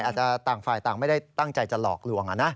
อาจจะต่างฝ่ายต่างไม่ได้ตั้งใจจะหลอกลวง